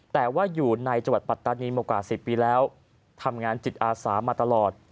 แต่ว่าอยู่ในจังหวัดปัตตานีมากว่า๑๐ปีแล้วทำงานจิตอาสามาตลอด